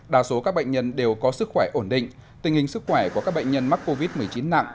đa số các bệnh nhân đều có sức khỏe ổn định tình hình sức khỏe của các bệnh nhân mắc covid một mươi chín nặng